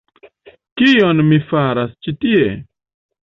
Kion mi faras ĉi tie?